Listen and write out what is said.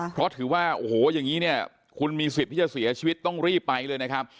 เพราะถือว่าโอ้โหอย่างนี้เนี่ยคุณมีสิทธิ์ที่จะเสียชีวิตต้องรีบไปเลยนะครับ